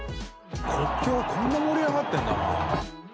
国境こんな盛り上がってるんだな。